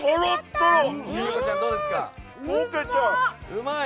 うまい！